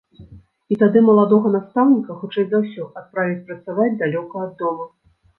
І тады маладога настаўніка, хутчэй за ўсё, адправяць працаваць далёка ад дома.